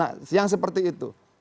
nah yang seperti itu